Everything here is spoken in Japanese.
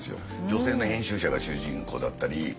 女性の編集者が主人公だったり。